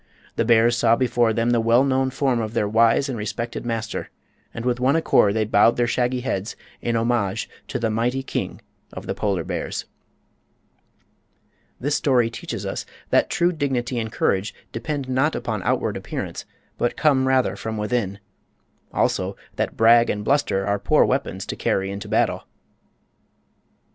the bears saw before them the well known form of their wise and respected master, and with one accord they bowed their shaggy heads in homage to the mighty King of the Polar Bears. This story teaches us that true dignity and courage depend not upon outward appearance, but come rather from within; also that brag and bluster are poor weapons to carry into battle.